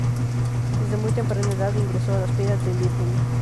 Desde muy temprana edad ingresó a las filas del Irgún.